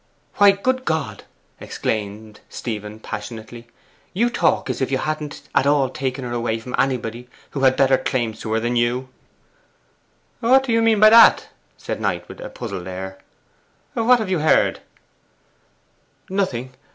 'Why, good God!' exclaimed Stephen passionately, 'you talk as if you hadn't at all taken her away from anybody who had better claims to her than you!' 'What do you mean by that?' said Knight, with a puzzled air. 'What have you heard?' 'Nothing.